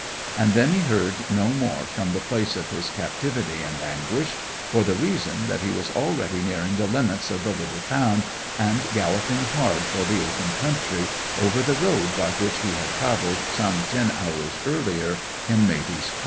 And then he heard no more from the place of his captivity and anguish, for the reason that he was already nearing the limits of the little town, and galloping hard for the open country, over the road by which he had travelled some ten hours earlier in Matey's cart.